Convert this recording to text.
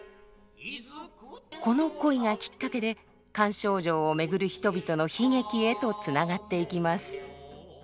この恋がきっかけで菅丞相を巡る人々の悲劇へとつながっていきます。